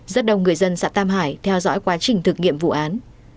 rất đông người dân xã tam hải theo dõi quá trình thực nghiệm vụ án